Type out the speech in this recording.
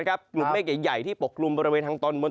กลุ่มเมฆใหญ่ที่ปกลุ่มบริเวณทางตอนบน